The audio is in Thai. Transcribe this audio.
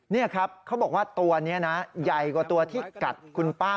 นี่ครับเขาบอกว่าตัวนี้นะใหญ่กว่าตัวที่กัดคุณป้า